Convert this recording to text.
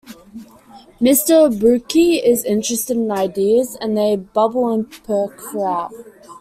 Mr. Burke is interested in ideas, and they bubble and perk throughout.